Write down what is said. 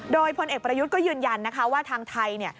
โดยพลเอกประยุทธก็ยืนยันว่าทางไทย